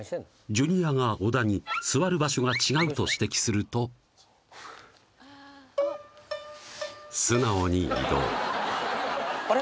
ジュニアが小田に座る場所が違うと指摘すると素直に移動あれ？